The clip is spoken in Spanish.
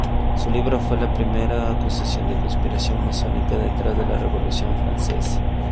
Su libro fue la primera acusación de conspiración masónica detrás de la Revolución francesa.